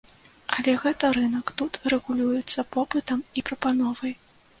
Але гэта рынак, тут рэгулюецца попытам і прапановай.